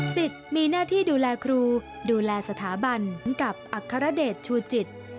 มีหน้าที่ดูแลครูดูแลสถาบันกับอัครเดชชูจิต